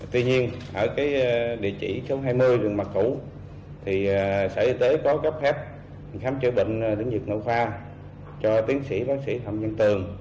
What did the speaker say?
tuy nhiên ở địa chỉ số hai mươi đường mạc củ thì sở y tế có cấp phép khám chữa bệnh đến dịch nội khoa cho tiến sĩ bác sĩ thầm văn tường